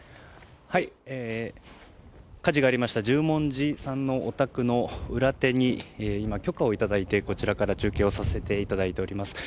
火事がありました十文字さんのお宅の裏手に今、許可をいただいてこちらから中継しています。